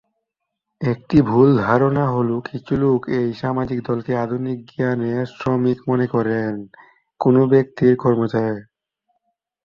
একটি ভুল ধারণা হলো কিছু লোক এই সামাজিক দলকে আধুনিক জ্ঞানে "শ্রমিক" মনে করেন: কোন ব্যক্তির ককর্মচারী।